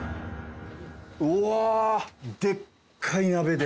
うわでっかい鍋で。